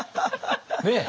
ねえ？